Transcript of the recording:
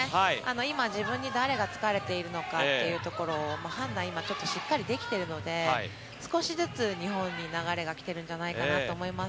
今、自分に誰が疲れているのかっていうところを、判断、今、ちょっとしっかりできているので、少しずつ、日本に流れが来てるんじゃないかなと思います。